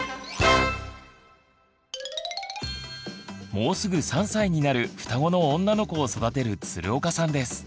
もうすぐ３歳になる双子の女の子を育てる鶴岡さんです。